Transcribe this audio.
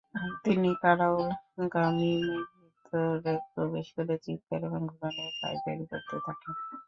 তিনি কারাউল গামীমের ভিতরে প্রবেশ করে চিৎকার এবং ঘোড়া নিয়ে পায়চারি করতে থাকেন।